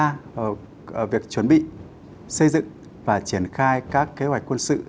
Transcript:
thứ hai là việc chuẩn bị xây dựng và triển khai các kế hoạch quân sự